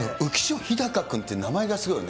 飛貴君って、名前がすごいよね。